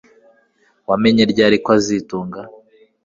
Wamenye ryari kazitunga